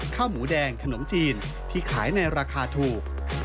ข้าวหมูแดงขนมจีนที่ขายในราคาถูก